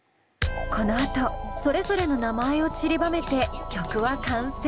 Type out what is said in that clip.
このあとそれぞれの名前をちりばめて曲は完成。